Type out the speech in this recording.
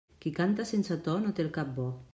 Qui canta sense to no té el cap bo.